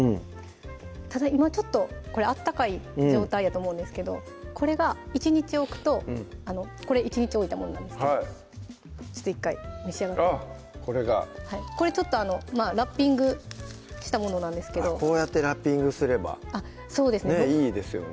ただ今ちょっとこれ温かい状態やと思うんですけどこれが１日置くとこれ１日置いたものなんですけどちょっと１回召し上がってあっこれがこれちょっとラッピングしたものなんですけどこうやってラッピングすればいいですよね